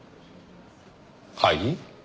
はい？